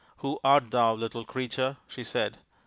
" Who art thou, little Creature?" she said.